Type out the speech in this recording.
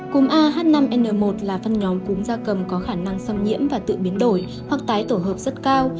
cúm a h năm n một là phân nhóm cúm da cầm có khả năng xâm nhiễm và tự biến đổi hoặc tái tổ hợp rất cao